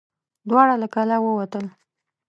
دواړه له کلا ووتل.